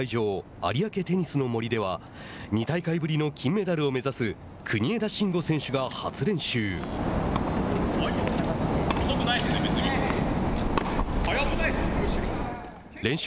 有明テニスの森では２大会ぶりの金メダルを目指す国枝慎吾選手が初練習。